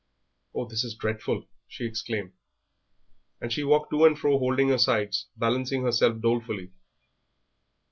Oh, this is dreadful!" she exclaimed, and she walked to and fro holding her sides, balancing herself dolefully.